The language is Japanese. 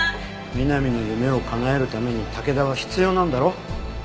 美波の夢を叶えるために武田は必要なんだろ？